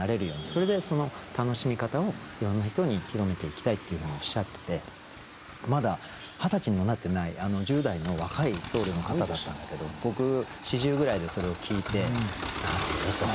それでその楽しみ方をいろんな人に広めていきたいっていうふうにおっしゃっててまだ二十歳にもなってない１０代の若い僧侶の方だったんだけど僕４０ぐらいでそれを聞いてなるほどと。